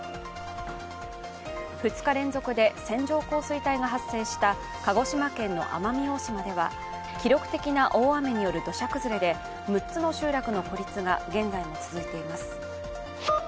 ２日連続で、線状降水帯が発生した鹿児島県の奄美大島では記録的な大雨による土砂崩れで６つの集落の孤立が現在も続いています。